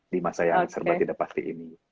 di masa yang serba tidak pasti ini